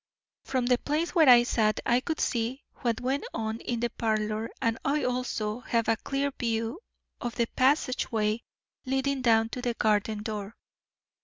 From the place where I sat I could see what went on in the parlour and also have a clear view of the passageway leading down to the garden door.